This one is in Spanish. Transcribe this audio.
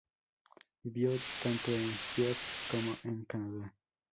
Vivió tanto en Kiev como en Canadá.